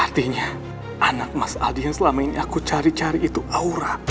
artinya anak mas adi yang selama ini aku cari cari itu aura